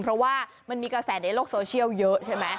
เพราะว่ามันมีกระแสในโลกโซเชียลเยอะใช่ไหม